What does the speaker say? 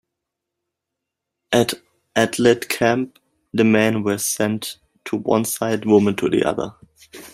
At Atlit camp, the men were sent to one side, women to the other.